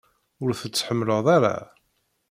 Ur t-tḥemmleḍ ara?